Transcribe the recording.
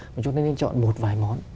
mà chúng ta nên chọn một vài món